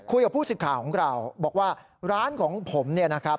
ผู้สิทธิ์ข่าวของเราบอกว่าร้านของผมเนี่ยนะครับ